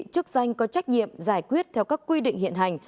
chức danh có trách nhiệm giải quyết theo các quy định hiện hành